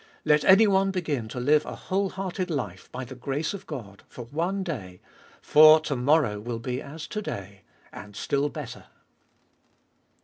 Let anyone begin to live a whole hearted life, by the grace of God, for one day; for to morrow will be as to day, and still better.